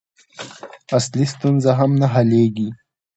اصلي ستونزه هم نه حلېږي.